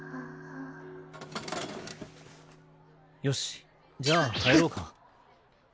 よしじゃあ帰ろうか。